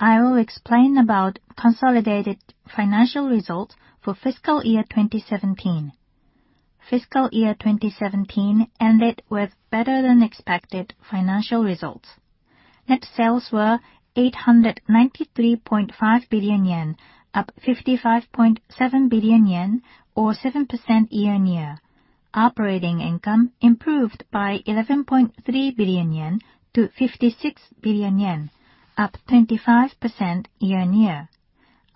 I will explain about consolidated financial results for fiscal year 2017. Fiscal year 2017 ended with better than expected financial results. Net sales were 893.5 billion yen, up 55.7 billion yen, or 7% year-on-year. Operating income improved by 11.3 billion yen to 56 billion yen, up 25% year-on-year.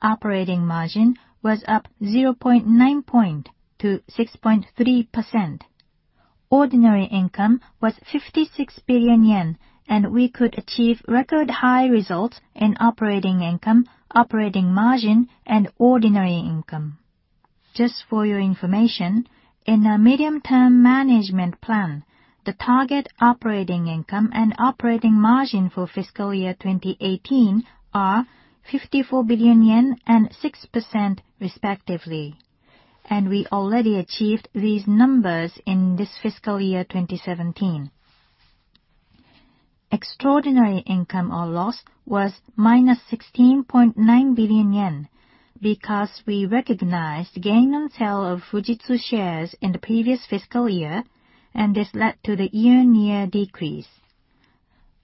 Operating margin was up 0.9 point to 6.3%. Ordinary income was 56 billion yen, We could achieve record high results in operating income, operating margin, and ordinary income. Just for your information, in a medium-term management plan, the target operating income and operating margin for fiscal year 2018 are 54 billion yen and 6% respectively, and we already achieved these numbers in this fiscal year 2017. Extraordinary income or loss was minus 16.9 billion yen because we recognized gain on sale of Fujitsu shares in the previous fiscal year, This led to the year-on-year decrease.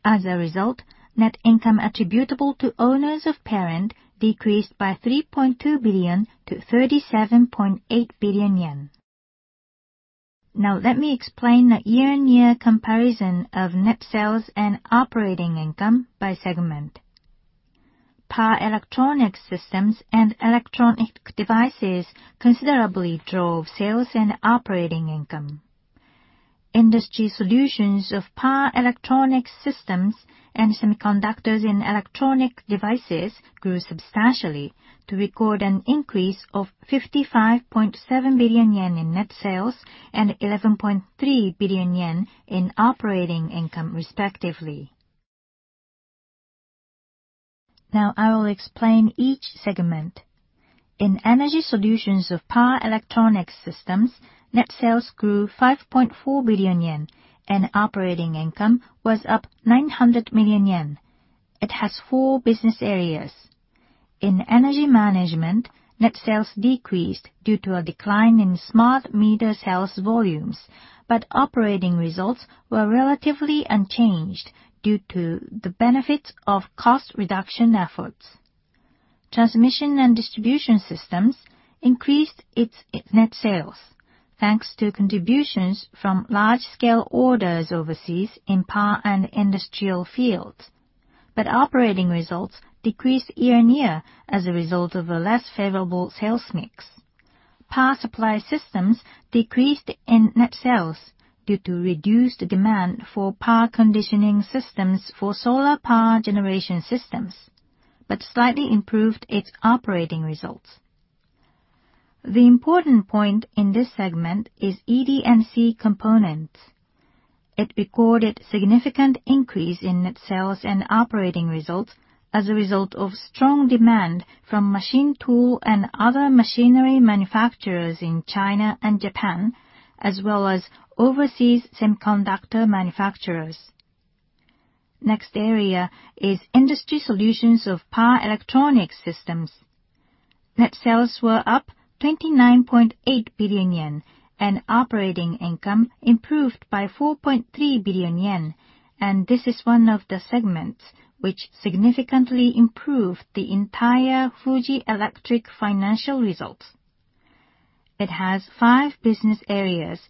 As a result, net income attributable to owners of parent decreased by 3.2 billion to 37.8 billion yen. Let me explain the year-on-year comparison of net sales and operating income by segment. Power Electronics Systems and Electronic Devices considerably drove sales and operating income. Industry Solutions of Power Electronics Systems and Semiconductors in Electronic Devices grew substantially to record an increase of 55.7 billion yen in net sales and 11.3 billion yen in operating income, respectively. I will explain each segment. In Energy Solutions of Power Electronics Systems, net sales grew 5.4 billion yen and operating income was up 900 million yen. It has four business areas. In Energy Management, net sales decreased due to a decline in smart meter sales volumes, Operating results were relatively unchanged due to the benefits of cost reduction efforts. Transmission and Distribution Systems increased its net sales thanks to contributions from large-scale orders overseas in power and industrial fields. Operating results decreased year-on-year as a result of a less favorable sales mix. Power Supply Systems decreased in net sales due to reduced demand for power conditioning systems for solar power generation systems, Slightly improved its operating results. The important point in this segment is ED&C components. It recorded significant increase in net sales and operating results as a result of strong demand from machine tool and other machinery manufacturers in China and Japan, as well as overseas semiconductor manufacturers. Next area is Industry Solutions of Power Electronics Systems. Net sales were up 29.8 billion yen, and operating income improved by 4.3 billion yen. This is one of the segments which significantly improved the entire Fuji Electric financial results. It has five business areas,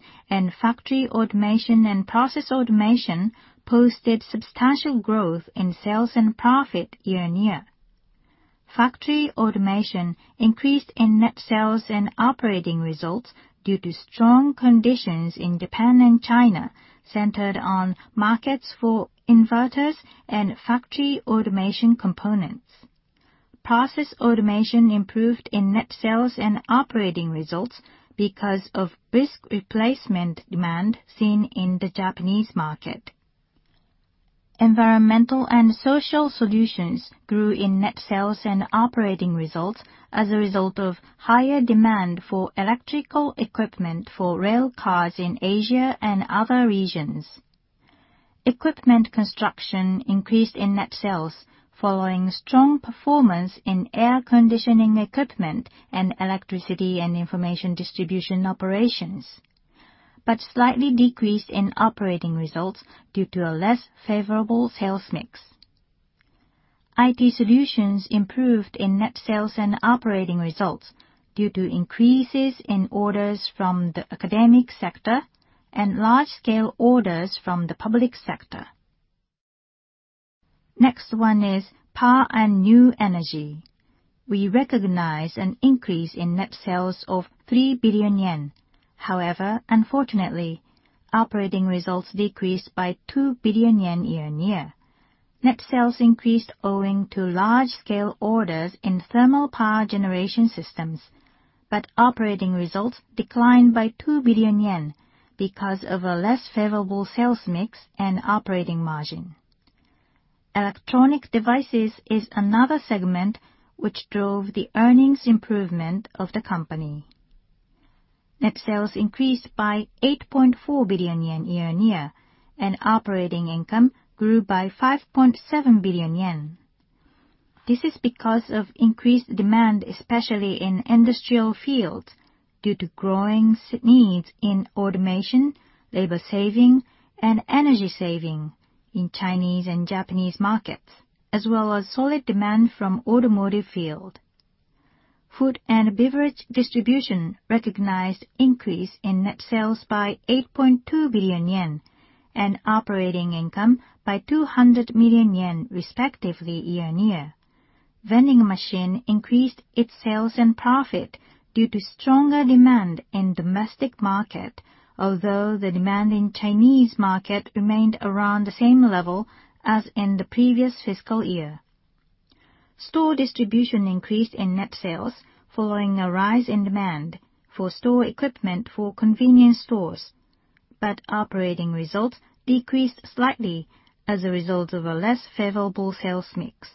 Factory Automation and Process Automation posted substantial growth in sales and profit year-on-year. Factory Automation increased in net sales and operating results due to strong conditions in Japan and China, centered on markets for inverters and factory automation components. Process Automation improved in net sales and operating results because of brisk replacement demand seen in the Japanese market. Environmental and Social Solutions grew in net sales and operating results as a result of higher demand for electrical equipment for rail cars in Asia and other regions. Equipment Construction increased in net sales following strong performance in air conditioning equipment and electricity and information distribution operations, Slightly decreased in operating results due to a less favorable sales mix. IT Solutions improved in net sales and operating results due to increases in orders from the academic sector and large-scale orders from the public sector. Next one is Power and New Energy. We recognize an increase in net sales of 3 billion yen. Unfortunately, operating results decreased by 2 billion yen year-on-year. Net sales increased owing to large-scale orders in thermal power generation systems, but operating results declined by 2 billion yen because of a less favorable sales mix and operating margin. Electronic Devices is another segment which drove the earnings improvement of the company. Net sales increased by 8.4 billion yen year-on-year, and operating income grew by 5.7 billion yen. This is because of increased demand, especially in industrial fields, due to growing needs in automation, labor saving, and energy saving in Chinese and Japanese markets, as well as solid demand from automotive field. Food and Beverage Distribution recognized increase in net sales by 8.2 billion yen and operating income by 200 million yen respectively year-on-year. Vending machine increased its sales and profit due to stronger demand in domestic market although the demand in Chinese market remained around the same level as in the previous fiscal year. Store Distribution increased in net sales following a rise in demand for store equipment for convenience stores, but operating results decreased slightly as a result of a less favorable sales mix.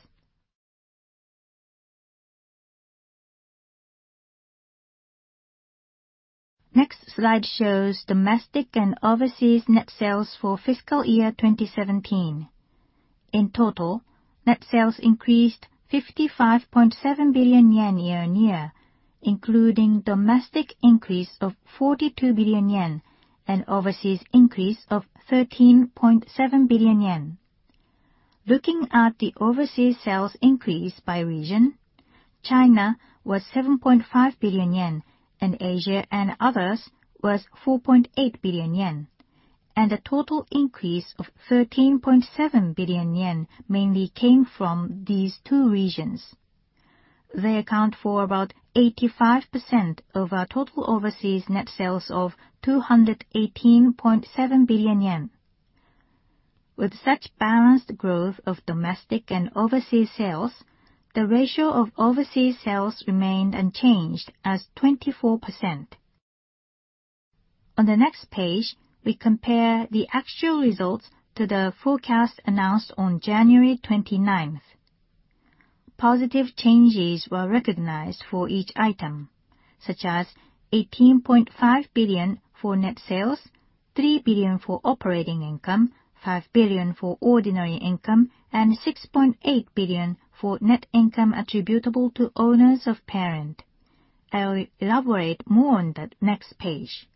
Next slide shows domestic and overseas net sales for FY 2017. In total, net sales increased 55.7 billion yen year-on-year, including domestic increase of 42 billion yen and overseas increase of 13.7 billion yen. Looking at the overseas sales increase by region, China was 7.5 billion yen and Asia and others was 4.8 billion yen, and a total increase of 13.7 billion yen mainly came from these two regions. They account for about 85% of our total overseas net sales of 218.7 billion yen. With such balanced growth of domestic and overseas sales, the ratio of overseas sales remained unchanged as 24%. On the next page, we compare the actual results to the forecast announced on January 29th. Positive changes were recognized for each item, such as 18.5 billion for net sales, 3 billion for operating income, 5 billion for ordinary income, and 6.8 billion for net income attributable to owners of parent. I'll elaborate more on that next page.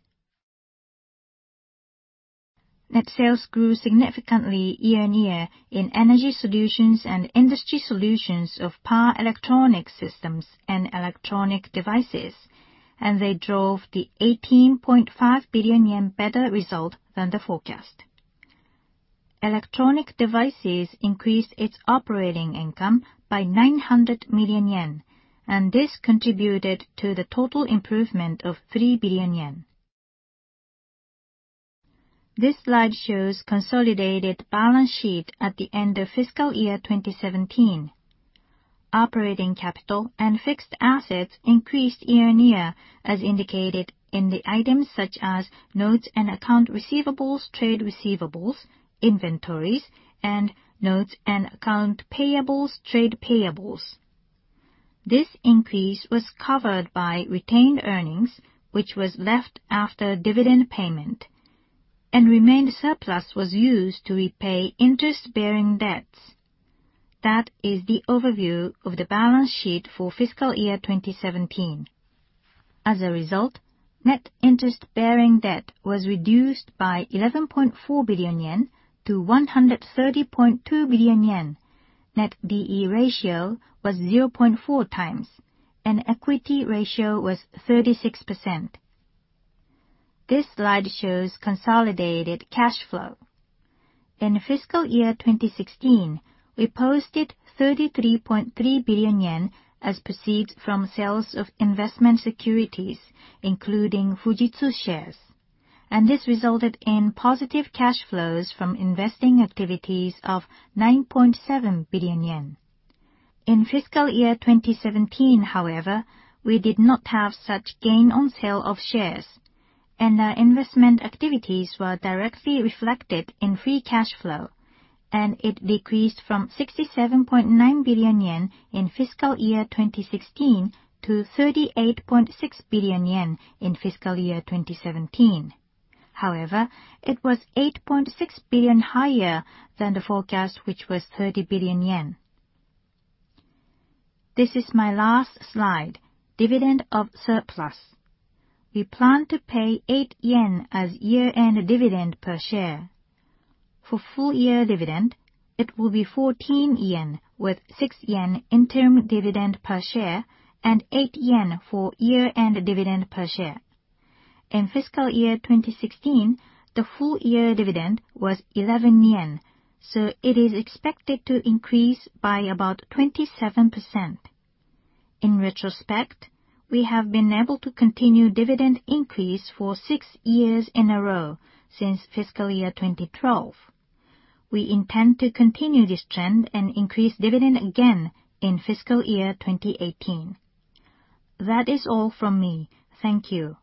Net sales grew significantly year-on-year in Energy Solutions and Industry Solutions of Power Electronics Systems and Electronic Devices, and they drove the 18.5 billion yen better result than the forecast. Electronic Devices increased its operating income by 900 million yen, and this contributed to the total improvement of 3 billion yen. This slide shows consolidated balance sheet at the end of FY 2017. Operating capital and fixed assets increased year-on-year as indicated in the items such as notes and account receivables, trade receivables, inventories, and notes and account payables, trade payables. This increase was covered by retained earnings, which was left after dividend payment and remained surplus was used to repay interest-bearing debts. That is the overview of the balance sheet for FY 2017. As a result, net interest-bearing debt was reduced by 11.4 billion yen to 130.2 billion yen. Net D/E ratio was 0.4 times, and equity ratio was 36%. This slide shows consolidated cash flow. In FY 2016, we posted 33.3 billion yen as proceeds from sales of investment securities, including Fujitsu shares, and this resulted in positive cash flows from investing activities of 9.7 billion yen. In fiscal year 2017, however, we did not have such gain on sale of shares, and our investment activities were directly reflected in free cash flow, and it decreased from 67.9 billion yen in fiscal year 2016 to 38.6 billion yen in fiscal year 2017. It was 8.6 billion higher than the forecast, which was 30 billion yen. This is my last slide, dividend of surplus. We plan to pay 8 yen as year-end dividend per share. For full year dividend, it will be 14 yen with 6 yen interim dividend per share and 8 yen for year-end dividend per share. In fiscal year 2016, the full year dividend was 11 yen. It is expected to increase by about 27%. In retrospect, we have been able to continue dividend increase for six years in a row since fiscal year 2012. We intend to continue this trend and increase dividend again in fiscal year 2018. That is all from me. Thank you.